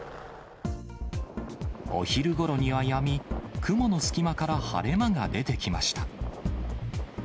お昼ごろにはやみ、雲の隙間から晴れ間が出てきました。